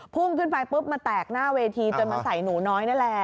พุ่งขึ้นไปปุ๊บมาแตกหน้าเวทีจนมาใส่หนูน้อยนั่นแหละ